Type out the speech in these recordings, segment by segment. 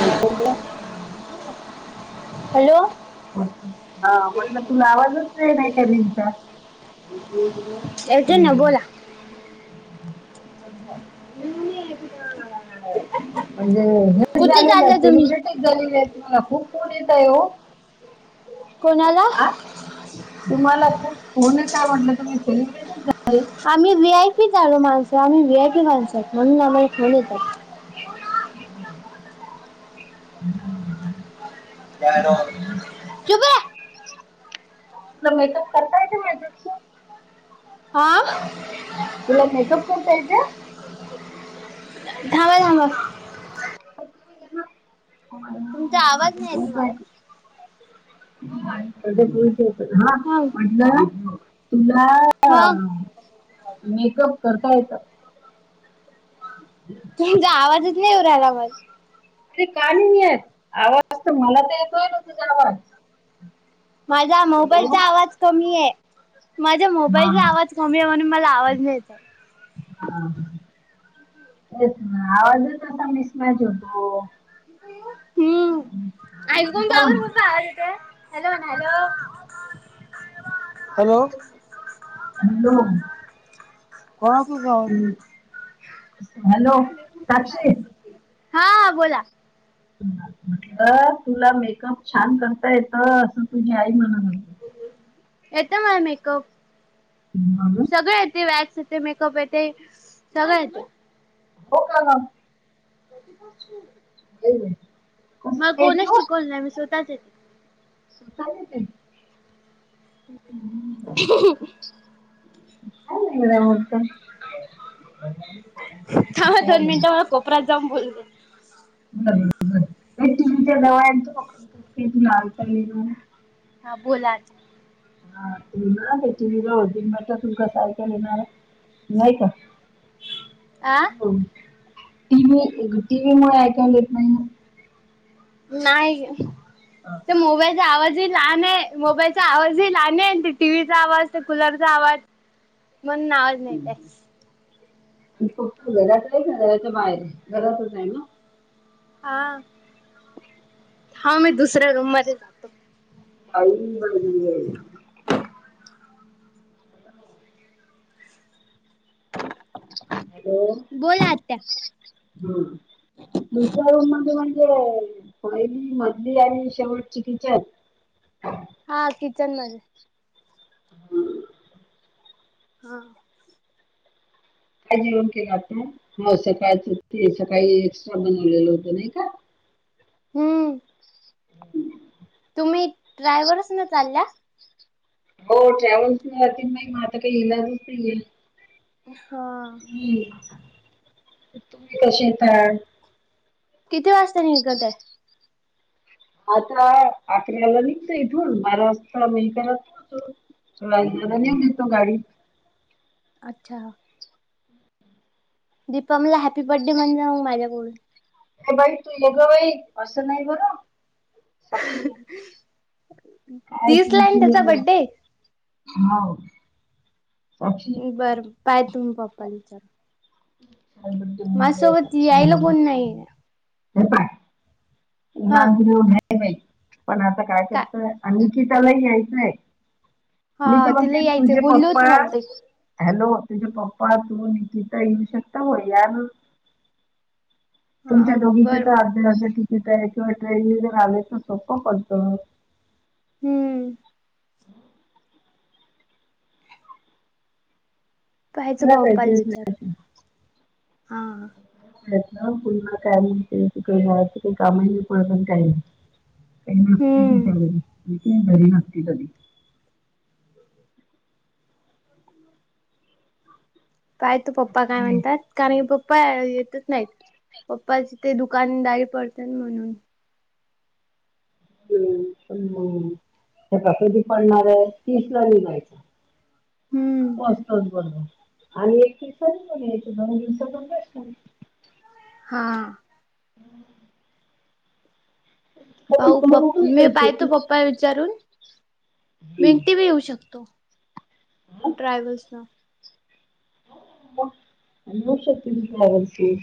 ह [unintelligible] हॅलो! अं म्हटलं तुला आवाजच रे नाही कधीचा. येेतोय ना बोला. म्हणजे हेच कुठे झाले ना चालला तुम्ही सेलिब्रेट. [unintelligible] झालील आहे तुम्हाला खूप खन येत आहे हो [unintelligible] कोणाला? आ तुम्हाला खूप फोन येताय म्हणलं तुम्ही सेलिब्रेटीच झाले. आम्ही व् आय पी झालो माणसं, आम्ही वी आय पी माणसं आहोत म्हणून आम्हाला फोन येतात. हो दे [unintelligible] क का [unintelligible] तुला मेकअप करता येतं मेकअपच हां तुला मेकअप करता येते? थांबा थांबा ह तुमचा आवाज नाही ब येत मला [unintelligible] पु हा म्हणलं [unintelligible] हा तुलाऽऽ मेकअप करता येतं. तुमचा आवाजच नाही येउ राहिला मग अरे का नाही येत, आवआवाज तर मला तर येतोय ना तुझा आवाज. माझ्या हॅलो. मोबाईलचा आवाज कमी आहे. माझ्या हा मोबाईलचा आवाज कमी आहे म्हणून मला आवाज नाही येत आहे. हा. तेच ना आवाज तसा मिस मॅच होतो. हम्म. हा मी ऐकुण काय जा बर म्हणते कसं आवाज येतंय. Hello hello. Hello hello. हम्म, [unintelligible] हॅलो साक्षी हा बोला. म्हटलं तुला मेकअप छान करता येत असं तुझी आई म्हणतं होती. येत मला मेकअप. [unintelligible] सगळ येते. वॅक्स येते, मेकअप येते, सगळं येते. हो का? [unintelligible] कधी [unintelligible] [unintelligible] कस मला काय येते कोणचं हो शिकवलं नाही, मी स्वतःच येते. स्वतः येत? हम्म. [inaudible] चांगलं हाय [unintelligible] मस्त. थांबा दोन मिनिट, मॅडम. मला कोपऱ्यात जाऊन बोलते. बर बर [unintelligible] हा बोला आता. हा [unintelligible] ना ते टी व्ही [unintelligible] येणार आहे नाही का. [inaudible] आ? हो. टीव्ही टीव्हीमुळं ऐकायला येत नाही ना. नाही. ते आणि मोबाईलचा आवाजही लहान आहे, मोबाईलचा आवाजही लहान आहे. आणि टीव्हीचा आवाज, ते कुलरचा आवाज म्हणून आवाज नाहीे येत आहे. आणि तु कुठे घरातच आहे का घराच्या बाहेर आहे. घरातच आहे ना? हा. हा मी दुसऱ्या रूममध्ये जातो. [unintelligible] हॅलो. हॅलो बोला आत्या हम्म. दुसऱ्या रूममध्ये म्हणजे पहिली, मधली आणि शेवटची किचन. हा किचनमध्ये. हा. काय जेवण केलं आता? हो सकाळच ते सकाळी एक्स्ट्रा बनवलेलं होत नाही का? हम्म. हम्म. तुम्ही ट्रॅव्हल्सनं चालल्या? हो ट्रॅव्हल्स जाते ना, मग आता काही इलाजच नाही आहे. हा. तुम्ही कशे येतात कितीे वाजता निघत हाय आता अकराला निघते इथून बारा वाजता मी इथे रजू होतो थोडा इकडं नेऊ देतो गाडी अच्छा दीपमला हॅपी बर्थडे म्हणजा ओ माझ्याकडून हे बाई तू येग बाई असं नाही बर साक्षी तीसला हायना त्याचा बड्डे हो बरं पाय तो मी पप्पाला विचारून शाळेबद्दल म्हणाले, माझ्यासोबत साक्षी यायला कोण नाही हे पाय हा. ह्यात बी लोन हाय बाई पण आता काय करताय आणि कि त्याला यायचंय मी हा तर तिला बगते यायचं तुझे बोलली होती पप्पा मला ती हॅलो तुझे पप्पा तु निकिता येऊ शकता हो यान हा तुमच्या दोघीचे बर तर अध्या अर्धे तिकीट आहे किंवा ट्रेन नी जर आले तर सोपं पडतं हू पाहायचं करा पप्पाला काहीतरी विचारून हा [unintelligible] काय नसते मी हम्म. घरी मी काय घरी नसते कधी काय तू पप्पा काय ये. म्हणतात कारण की पप्पा येतच नाहीत पप्पाची ते दुकानदारी पडतेन म्हणून हू पण म किती पडणार हाय तिस ला निघायचं हम्म. फर्स्टच् बनून आणि एक दिवसानी यायचं जाऊन दोन दिवसाचा प्रश्न हाय हां [inaudible] तर ती पाहु प करून पण मी जायचं पायतो तीस पप्पाले विचारून मि एकटी बी हम्म. येऊ शकतो ट्रॅव्हल्स न यू शकतीस तू ट्रॅव्हलसन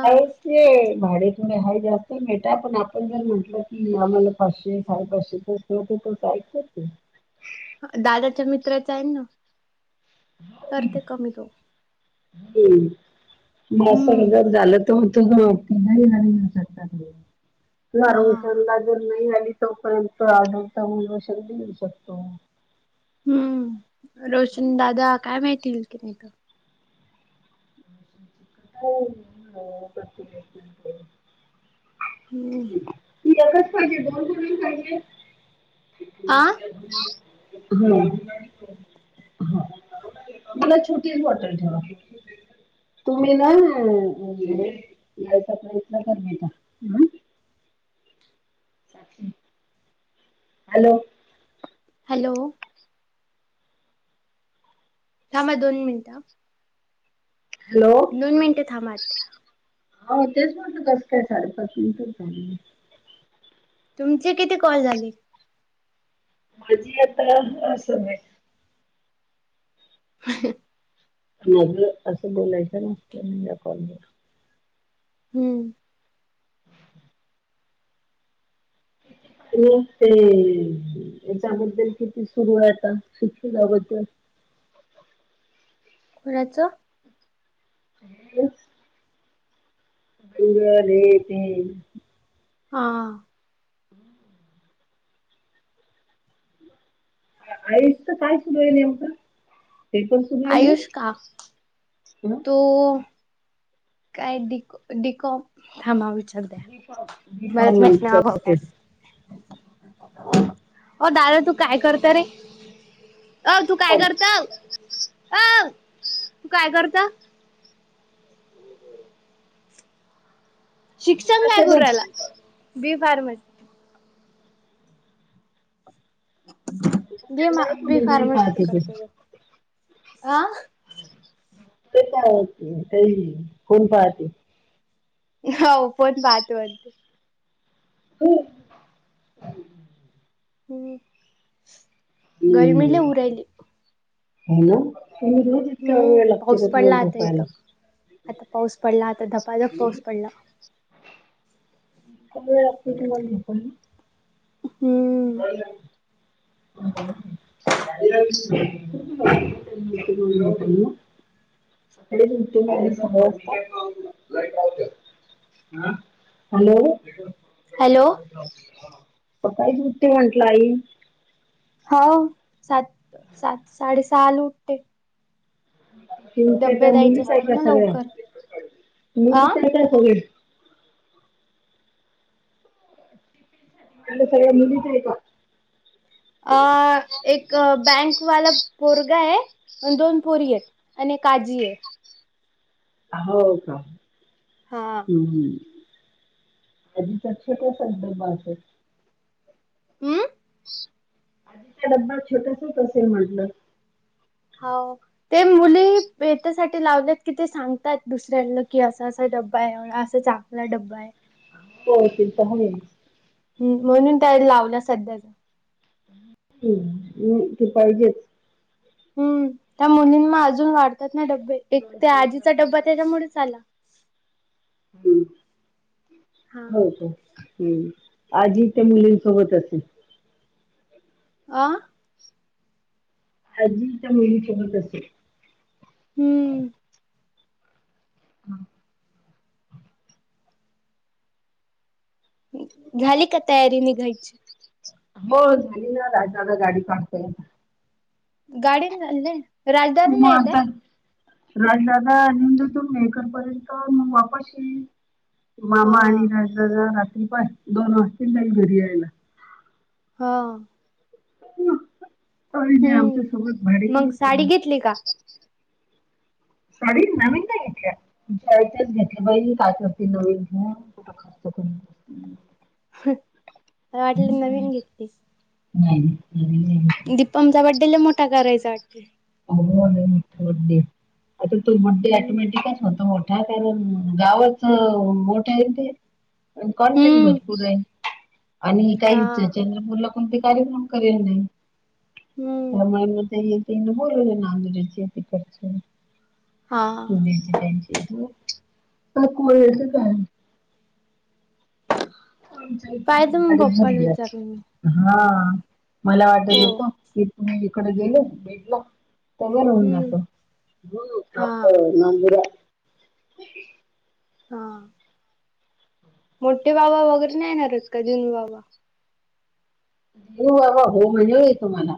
काय ते भाडे थोडे हाय जास्त आहे बेटा पण आपण जर म्हंटलं की आम्हाला पाचशे साडेपाचशे तर शेवटी तुमच ऐकतात ते हा दादाच्या मित्राच हाय ना करते कमी तो म अस हम्म जर झालंत तो म्हणतो ग नाही येणार मी ऊसाचं टाकून देणार वार हा ऊस हा समजा जर नाही आलीत तोपर्यंत आडुळसा मूलवषक बी घेऊ शकतो हू रोशन दादा काय माहिती येईल की नाही तो [inaudible] हो मिळून रहा प्रत्येक व्यक्तींनी हू ती एकच पाहिजे दोन कुणाला पाहिजे ती तू आ दे ग हू हा मला छोटी एक बॉटल ठेवा तुम्ही ना यायचा प्रयत्न करायचा हा हॅलो हॅलो थांब दोन मिनिटं. हॅलो दोन मिनिटे थांबा आता हो तेच म्हणलं कसं काय साडेपाच मिनिटचं झाली. तुमचे किती कॉल झाले? माझी आता अजून एक. [unintelligible] माझं असं बोलायच्या ना [inaudible] कॉलवर. हम्म [unintelligible] याच्याबद्दल किती सुरू आहेत आता शिक्षणाबद्दल? कोणाचं? [unintelligible] [unintelligible] आ. [unintelligible] आईच काय सुरू आहं नेमक? ते पण सुरू आहं म्हणे आयुष का म? तो. काय डिको डिको थांबा विचारते बी कॉम बी कॉम मलाच माहीत नाय नंतर आभाव करते काय असते. हो दादा तू काय करत रे? ओ तू काय कॉम करत? अ तू काय करत? शिक्षण काय करूण राहिला बी फार्मसी. बी मा बी मोबाईल फार्मसीच पाहते ते करत तोय ते आ. ते तर आहेच की कोण पाहते? हो पण बात बनते. ह्म ह्म गर्मी लई होऊ राहिली. हॅलो. तूम्ही रोज येता? हम्म पाऊस पडला आता इथं आता पाऊस पडला आता धबाधप पाऊस इतका पडला. [unintelligible] हम्म. [unintelligible] [unintelligible] [unintelligible] हा हॅलो. हॅलो. सकाळचं उठते म्हटलं आई. हाव सात सात साडेसहाला उठते. तुमच्या काय डब्बे द्यायचे मुलीच आहे असतात का ना सगळ्या लवकर. आं? मुलीच आहे का सगळे? [inaudible] सगळ्या मुलीच आहे का? अ एक बँकवाल पोरगा आहं आणं दोन पोरी आहेत आणि ए काजीे. हो का हा. हम्म हम्म. कधीच [inaudible] संदर्भ असायच्या. हम्म. आजीचा डब्बा छोटासचं असेल म्हटलं. हो. ते मुलीे भेटासाठी लावल्यात की ते सांगतात दुसऱ्यांना, की असं असा डब्बा आहे म्हणून असं सांग. लाल डब्बा आहे. [unintelligible] तर होईल. हम्म म्हणून तर लावला सध्याचा. हम्म ते पाहिजेच. हम्म त्या मुलींना अजून वाढतात ना डब्बे एक दोन ते चेन आजीचा डब्बा हम्म, त्याच्यामुळेच आला. हंम हा हो काय. हमं आजी त्या मुलींसोबत असेल. आ. आजी त्या मुलीसोबत असेल. हंम. हा. झाली की तयारी निघायची. हो झालीना, दादाग गाडी काढतोय. गाडीने चालले. म आता राज दादा [unintelligible] मेकरपर्यंत मग वापस येईल. हा मामा आणि राज दादा रात्रीपाय दोन वाजतील त्यांना घरी यायला. हो. काही नाही आमच्या हम्म सोबत मग भाडेकरू कमी साडी आहेत. घेतली का साडी नवीन नाही घेतल्या, आहे त्याच घेतल्या बाई काय करती नवीन घेऊन. [unintelligible] मला वाटलं हम्म. नवीन घेतलीस. नाही नवीन नाही घेतली. दीपमचा बर्थडे लय मोठा करायचा कि अहो लय मोठा बड्डे, आता तो बड्डे हम्म ऑटोमॅटिकचं होतो. हा कारण गावचं मोठ आहेन ते. आणि कॉन्टॅक्ट हम्म भरपूर आहे. आणि हा काही [unintelligible] मुलं कोणते कार्यक्रम करेल नाही. तर हम्म मग ते येतील, बोलवलं नागरीचे तिकडचे. हा पुण्याचे त्यांचा इथं काय कोळ्याच काय आमच्या इथं काय पाहिजे मग गाडीचं पप्पाला भरलीया. विचारून मी हा मला वाटत हो होत की, तुम्ही हिकडं गेले भेटलो. सगळं भरून हम्म जातं, हंम हा जातं मंदिरात हा मोठे बाबा वगैरे नाही येणार आहेत का, दिनू बाबा. दिनू बाबा हॊ म्हणलेले तुम्हाला,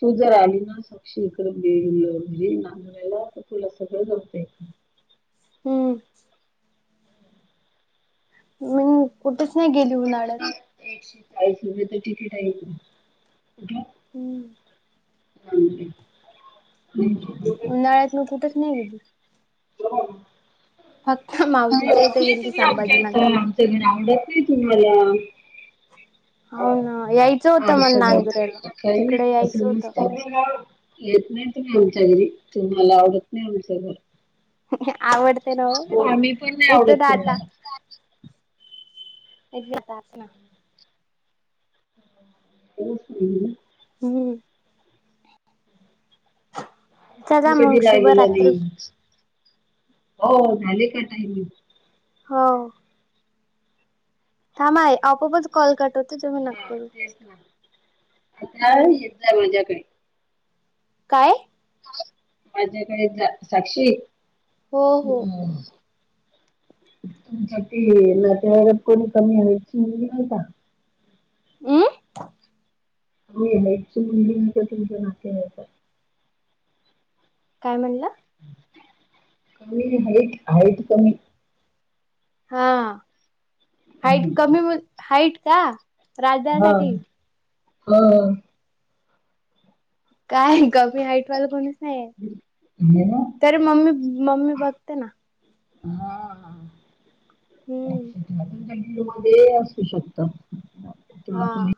तू जर आलीना साक्षी इकडं [unintelligible] नांदवायला तुला सगळ [unintelligible] हंम. नाही कुठचं इकडचं काय एकशे चाळीस रुपये तिकीट आहे इकडून, कुठ. हंम. जाऊदे [unintelligible] उन्हाळ्यात मग कुठेच नाही गेली. तूला काय झालं? फक्त मी अ ये तू बी आमच्या इथं, आमचं घर आवडत नाही तुम्हाला. हो ना यायचं होतं मला आमच घर, नांदुऱ्याला काही तिकडे यायचं होतं नसतं असं. येत नाही तुम्ही आमच्या घरी, तुम्हाला आवडत नाही आमचं घर. आवडते ना ओ, आम्ही पण नाही येते आवडत ना आता तुम्हाला इथ जाच ना [unintelligible] खरंच तू येईल ना. हम्म. तू चला कधी मग राय लीला गेली शुभरात्री होतीस, हो झाले का टायमिंग. हो. थांबा आई, आपोआपच कॉल कट होतोय तुम्ही नका करू. हां, हम्म येत जा माझ्याकडे. काय? माझ्याकडे येत जा, साक्षी हो हो तुमच्या ते नाते वाईकात कोणी कमी हाईटची मुलगी आहे का? हम्म. कमी हाईटची मुलगी आहे का तुमच्या नातेवाईकात? काय म्हणला? कमी हाईट, हाईट कमी हां, हाईट हम्म. कमी हाईट का हा राजदासाठी हा. काय कमी हाईटवालं कोणीच नाहीये, हे ना तरी मम्मी मम्मी बघते ना. हा हा हम्म अच्छा. मध्ये असू शकतं, तुला हा कोणी